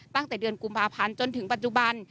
ตั้งแต่เดือนกุมภาพันธ์จนถึงปัจจุบัน